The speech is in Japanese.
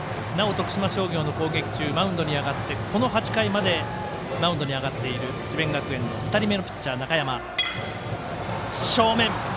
徳島商業の攻撃中マウンドに上がってこの８回までマウンドに上がっている智弁学園の２人目のピッチャー中山。